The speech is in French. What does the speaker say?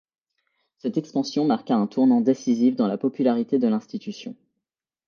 Cette expansion marqua un tournant décisif dans la popularité de l'institution.